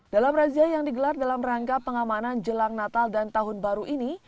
dalam razia yang digelar dalam rangka pengamanan jelang natal dan tahun baru ini